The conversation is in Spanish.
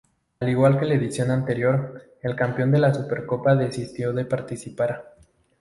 A igual que la edición anterior, el campeón de la Supercopa desistió de participar.